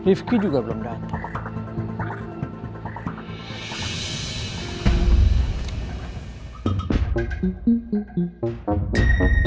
rifki juga belum datang